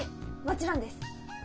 もちろんです。